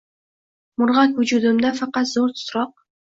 Murg’ak vujudimda faqat zo’r titroq!